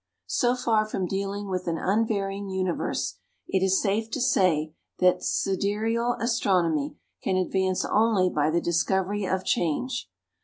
So far from dealing with an unvarying universe, it is safe to say that sidereal astronomy can advance only by the discovery of change.